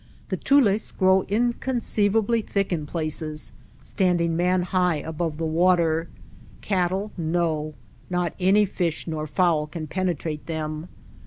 The tules grow inconceivably thick in places, standing man high above the water; cattle, no, not any fish nor fowl can penetrate them.